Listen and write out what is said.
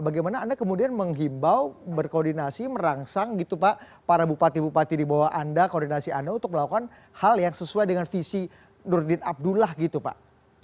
bagaimana anda kemudian menghimbau berkoordinasi merangsang gitu pak para bupati bupati di bawah anda koordinasi anda untuk melakukan hal yang sesuai dengan visi nurdin abdullah gitu pak